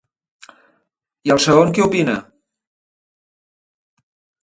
I el segon què opina?